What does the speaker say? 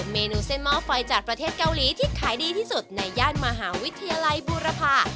เมนูเส้นหม้อไฟจากประเทศเกาหลีที่ขายดีที่สุดในย่านมหาวิทยาลัยบูรพา